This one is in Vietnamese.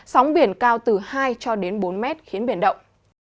sóng biển cao từ hai cho đến bốn mét khiến biển động